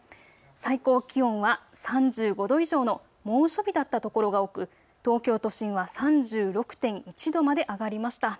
最高気温は３５度以上の猛暑日だったところが多く東京都心は３６．１度まで上がりました。